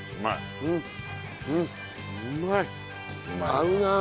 合うな。